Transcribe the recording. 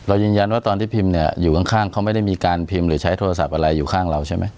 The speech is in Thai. ยืนยันว่าตอนที่พิมพ์เนี่ยอยู่ข้างเขาไม่ได้มีการพิมพ์หรือใช้โทรศัพท์อะไรอยู่ข้างเราใช่ไหม